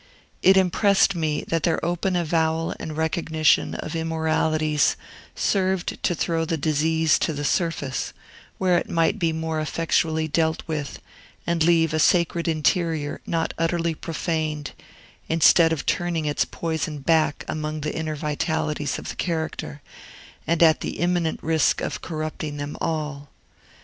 It impressed me that their open avowal and recognition of immoralities served to throw the disease to the surface, where it might be more effectually dealt with, and leave a sacred interior not utterly profaned, instead of turning its poison back among the inner vitalities of the character, at the imminent risk of corrupting them all.